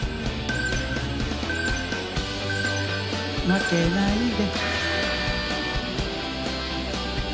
「負けないで」。